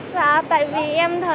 tại việt đây có chuyện gì đấy